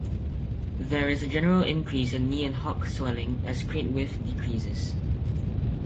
There is a general increase in knee and hock swelling as crate width decreases.